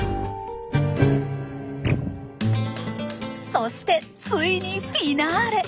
そしてついにフィナーレ！